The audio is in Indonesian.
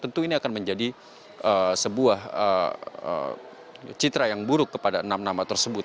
tentu ini akan menjadi sebuah citra yang buruk kepada enam nama tersebut